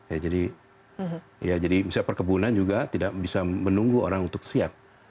ya jadi misalnya perkebunan juga tidak bisa menunggu orang untuk siap